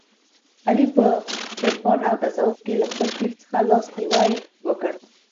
علي په عرفان او تصوف کې له خپل پیر څخه لاس نیوی وکړ.